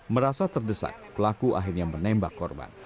merasa terdesak pelaku akhirnya menembak korban